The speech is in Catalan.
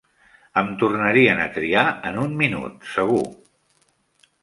Em tornarien a triar en un minut, segur!